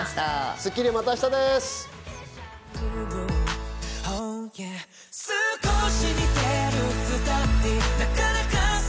『スッキリ』は、また明日です。